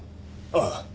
ああ。